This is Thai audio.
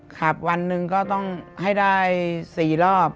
คับวันนึงก็ต้องให้ได้สี่รอบ